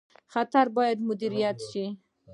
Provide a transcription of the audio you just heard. خطر باید مدیریت شي